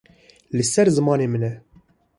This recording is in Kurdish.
Li ser zimanê min e.